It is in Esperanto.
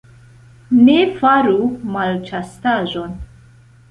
Ne faru malĉastaĵon.